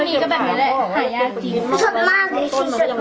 นี่เห็นจริงตอนนี้ต้องซื้อ๖วัน